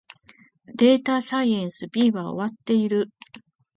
データサイエンス B は終わっている